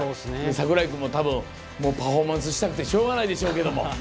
櫻井君も多分パフォーマンスしたくてしょうがないでしょうけども。